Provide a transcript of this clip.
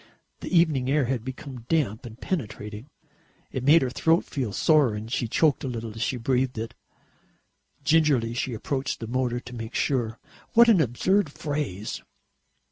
The evening air had become damp and penetrating. It made her throat feel sore and she choked a little as she breathed it. Gingerly she approached the motor to make sure. What an absurd phrase!